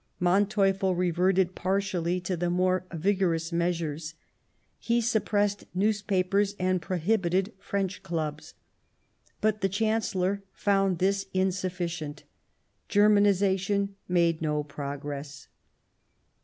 Manteuffel reverted partially to the more vigorous measures ; he sup pressed newspapers and prohibited French clubs ; but the Chancellor found this insufficient ; Ger manization made no progress.